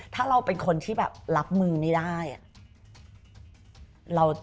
ถ้าเราเป็นคนที่แบบรับมือไม่ได้อะ